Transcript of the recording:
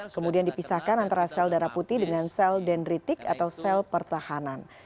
kemudian dipisahkan antara sel darah putih dengan sel dendritik atau sel pertahanan